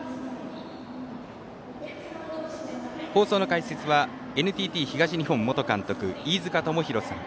放送の解説はＮＴＴ東日本元監督飯塚智広さん。